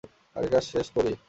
আগে কাজ শেষ করি।